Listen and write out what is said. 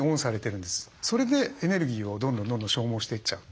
それでエネルギーをどんどんどんどん消耗していっちゃう。